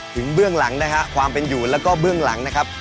เบื้องหลังนะฮะความเป็นอยู่แล้วก็เบื้องหลังนะครับ